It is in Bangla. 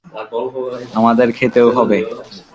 আমাদের খেতেও হবে।